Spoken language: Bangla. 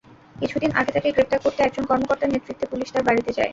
কিছুদিন আগে তাঁকে গ্রেপ্তার করতে একজন কর্মকর্তার নেতৃত্বে পুলিশ তাঁর বাড়িতে যায়।